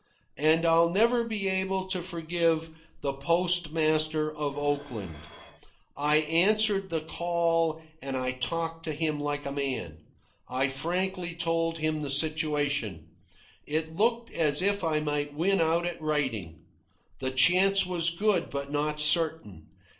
And I'll never be able to forgive the postmaster of Oakland. I answered the call, and I talked to him like a man. I frankly told him the situation. It looked as if I might win out at writing. The chance was good, but not certain.